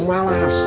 malah aku malas